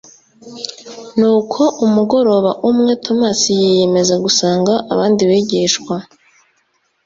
Nuko umugoroba umwe, Tomasi yiyemeza gusanga abandi bigishwa.